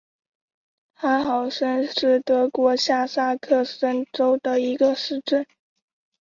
哈豪森是德国下萨克森州的一个市镇。